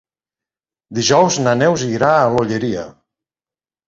Dijous na Neus irà a l'Olleria.